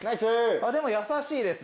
でも易しいです